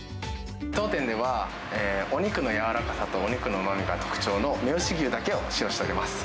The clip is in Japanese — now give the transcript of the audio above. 当店では、お肉の柔らかさとお肉のうまみが特長の雌牛牛だけを使用しております。